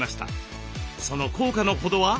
その効果のほどは？